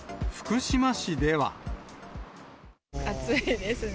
暑いですね。